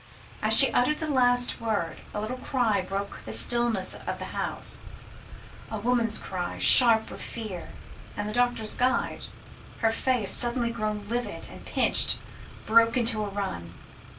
As she uttered the last word, a little cry broke the stillness of the house a woman's cry, sharp with fear, and the doctor's guide, her face suddenly grown livid and pinched, broke into a run.